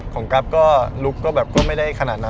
ของกรัฟก็ลุคก็ไม่ได้ขนาดนั้น